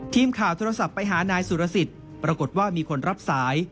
ทีมข่าวโทรศัพท์ไปหานายสุรสิทธิ์ปรากฏว่ามีคนรับสาย